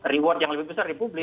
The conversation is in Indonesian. reward yang lebih besar di publik